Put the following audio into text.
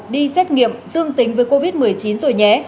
đi xét nghiệm dương tính với covid một mươi chín rồi nhé